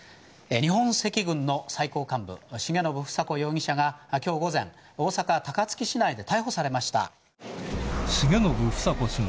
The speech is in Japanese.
日本赤軍の最高幹部重信房子容疑者が今日午前大阪・高槻市内で逮捕されました。